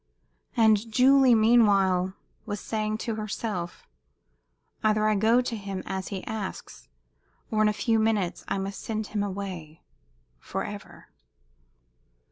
And Julie, meanwhile, was saying to herself, "Either I go to him, as he asks, or in a few minutes I must send him away forever."